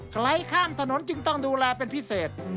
ใครข้ามถนนจึงต้องดูแลเป็นพิเศษ